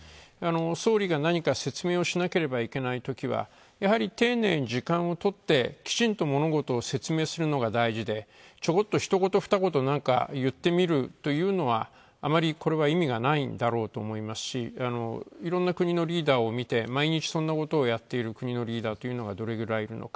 総理が何か説明をしなければいけないときは、やはり、丁寧に時間をとってきちんと物事を説明するのが大事でちょこっと、ひと言ふた言、何か言ってみるというのはあまりこれは意味がないんだろうと思いますし、いろんな国のリーダーを見て毎日、そんなことをやっている国のリーダーというのがどれぐらいいるのか。